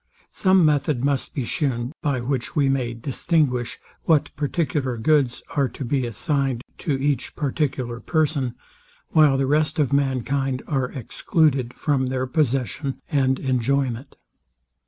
Some method must be shewn, by which we may distinguish what particular goods are to be assigned to each particular person, while the rest of mankind are excluded from their possession and enjoyment.